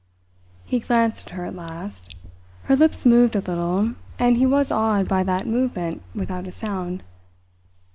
He glanced at her at last. Her lips moved a little, and he was awed by that movement without a sound.